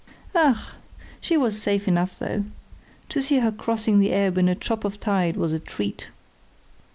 Ach! she was safe enough, though. To see her crossing the ebb in a chop of tide was a treat."